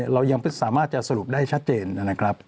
เรายังสามารถจะสรุปได้ชัดเจนนะครับ